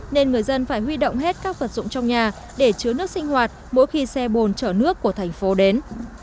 nên người dân phải huy động hết các vật dụng trong nhà để chứa nước sinh hoạt mỗi khi xe bồn chở nước của thành phố đến